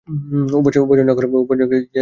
উপার্জন না করিলে কেহ কিছু পাইতে পারে না।